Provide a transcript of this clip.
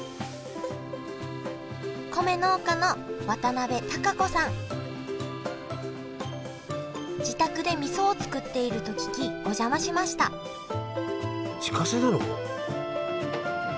米農家の自宅でみそを作っていると聞きお邪魔しました自家製なの！？